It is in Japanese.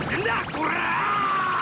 こら！